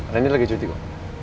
rendy lagi cuti kok